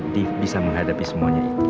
dave bisa menghadapi semuanya